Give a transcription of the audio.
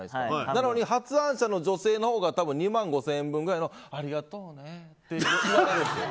なのに発案者の女性のほうが２万５０００円分くらいのありがとうを言われてるわけでしょ。